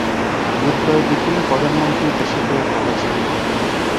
বুধবার বিকেলে প্রধানমন্ত্রীর দেশে ফেরার কথা ছিল।